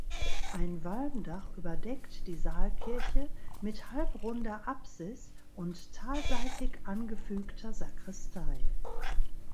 Ein Walmdach überdeckt die Saalkirche mit halbrunder Apsis und talseitig angefügter Sakristei.